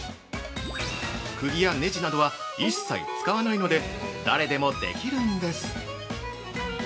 くぎやねじなどは一切使わないので誰でもできるんです。